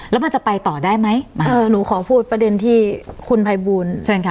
แล้วมันจะไปต่อได้ไหมเออหนูขอพูดประเด็นที่คุณภัยบูลเชิญค่ะ